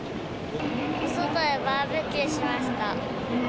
外でバーベキューしました。